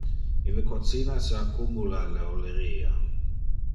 In le cocina se accumula le olleria.